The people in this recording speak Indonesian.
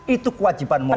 itu kewajiban moral